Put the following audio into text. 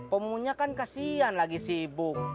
pemungunnya kan kasihan lagi sibuk